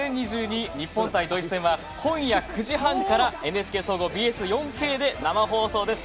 日本対ドイツ戦は今夜９時半からＮＨＫ総合ＢＳ４Ｋで生放送です。